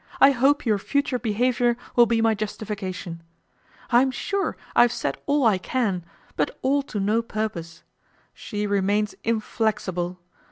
I hope your future behaviour will be my justification. I am sure I have said all I can; but all to no purpose. She remains inflexible.